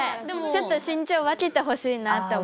ちょっと身長分けてほしいなと思う。